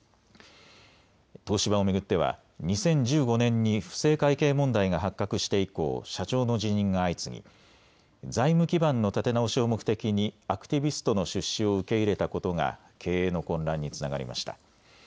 東芝を巡っては２０１５年に不正会計問題が発覚して以降、社長の辞任が相次ぎ財務基盤の立て直しを目的にアクティビストの出資を受け入れたことが経営の混乱につながりました。